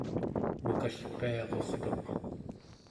nukalpiarurtuq